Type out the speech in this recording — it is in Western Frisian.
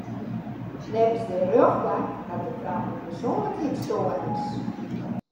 Neffens de rjochtbank hat de frou in persoanlikheidsstoarnis.